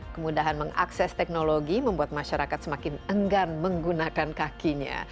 kemudahan mengakses teknologi membuat masyarakat semakin enggan menggunakan kakinya